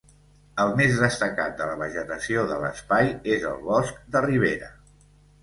El més destacat de la vegetació de l'espai és el bosc de ribera.